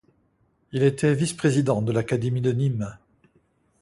Il était vice-président de l'Académie de Nîmes.